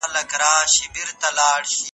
په خپل کار کي صادق اوسه.